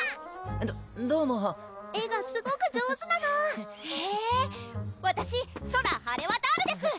どどうも絵がすごく上手なのへぇわたしソラ・ハレワタールです